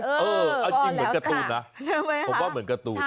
เออก็จริงเหมือนการ์ตูนนะ